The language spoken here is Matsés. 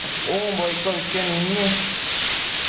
umbo iccobi que nidnu